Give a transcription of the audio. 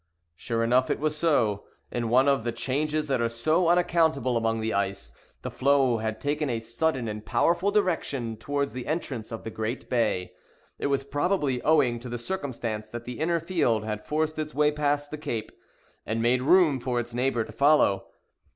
Sure enough, it was so. In one of the changes that are so unaccountable among the ice, the floe had taken a sudden and powerful direction towards the entrance of the Great Bay. It was probably owing to the circumstance that the inner field had forced its way past the cape, and made room for its neighbor to follow.